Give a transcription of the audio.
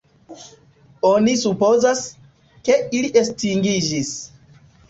Oni supozas, ke ili estingiĝis.